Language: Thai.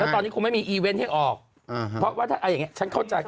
ตอนนี้คงไม่มีอีเวนต์ให้ออกเพราะว่าถ้าเอาอย่างนี้ฉันเข้าใจ